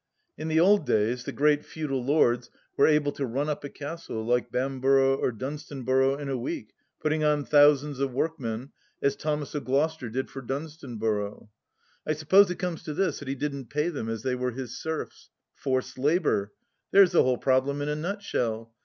In the old days the great feudal lords were able to run up a castle like Bamburgh or Dunstanburgh in a week, putting on thousands of workmen, as Thomas of Gloucester did for Dunstanburgh. I suppose it comes to this, that he didn't pay them, as they were his serfs. Forced labour ! there's the whole problem in a nutshell.